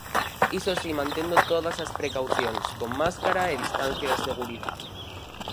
Iso si, mantendo todas as precaucións: con máscara e distancia de seguridade.